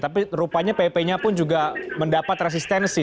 tapi rupanya pp nya pun juga mendapat resistensi